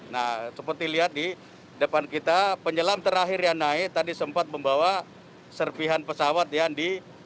nah seperti lihat di depan kita penyelam terakhir yang naik tadi sempat membawa serpihan pesawat yang di